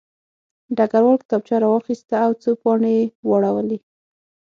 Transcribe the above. ډګروال کتابچه راواخیسته او څو پاڼې یې واړولې